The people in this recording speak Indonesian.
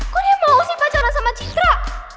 kok dia mau sih pacaran sama cindra